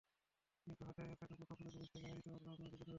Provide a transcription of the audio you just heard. কিন্তু হাতে থাকা মুঠোফোনটাই পুলিশকে জানিয়ে দিতে পারবে আপনার বিপদের কথা।